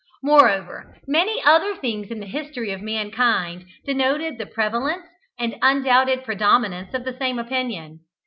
Moreover, many other things in the history of mankind denoted the prevalence and undoubted predominance of the same opinion.